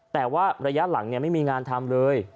แต่ว่าระยะหลังไม่มีงานทำเลย